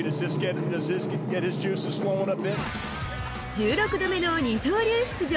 １６度目の二刀流出場。